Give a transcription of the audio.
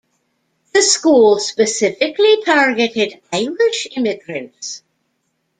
The school specifically targeted Irish immigrants.